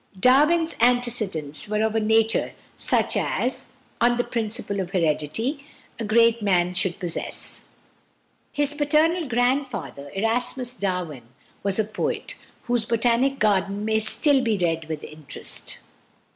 Darwin's antecedents were of a nature such as, on the principle of heredity, a great man should possess. His paternal grandfather, Erasmus Darwin, was a poet, whose "Botanic Garden" may still be read with interest.